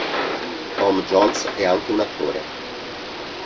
Tom Jones è anche un attore.